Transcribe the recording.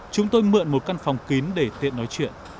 chúng tôi mượn một căn phòng kín để tiện nói chuyện